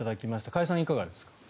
加谷さん、いかがですか。